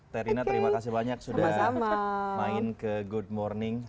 terlina terima kasih banyak sudah main ke good morning